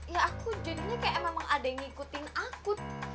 ya aku jadinya kayak memang ada yang ngikutin aku